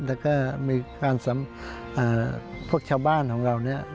และพวกชาวบ้านของเรานี้